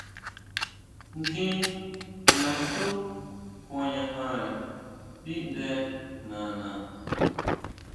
Kjín naxú kuañajare ndíʼnde nana.